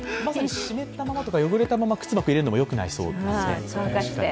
湿ったまま、汚れたまま靴箱に入れるのもよくないそうですね。